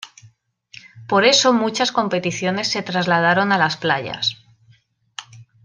Por eso, muchas competiciones se trasladaron a las playas.